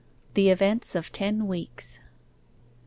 THE EVENTS OF TEN WEEKS 1.